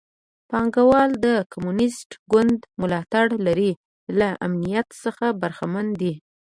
پانګوال د کمونېست ګوند ملاتړ لري له امنیت څخه برخمن دي.